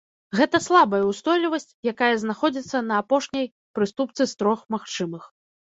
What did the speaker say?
Гэта слабая ўстойлівасць, якая знаходзіцца на апошняй прыступцы з трох магчымых.